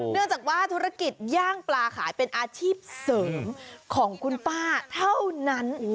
เนื่องจากว่าธุรกิจย่างปลาขายเป็นอาชีพเสริมของคุณป้าเท่านั้น